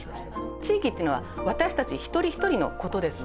地域っていうのは私たち一人一人のことですもんね。